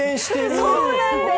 そうなんです！